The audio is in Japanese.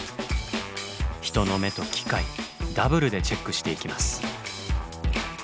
人の目と機械ダブルでチェックしていきます。